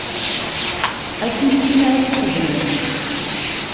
Ad tili tin ara t-ixedmen.